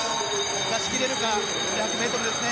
出し切れるか１００ｍですね。